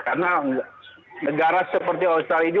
karena negara seperti australia itu